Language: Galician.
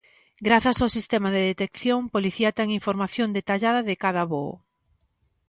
Grazas ao sistema de detección, Policía ten información detallada de cada voo.